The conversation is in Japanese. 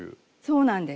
そうなんです。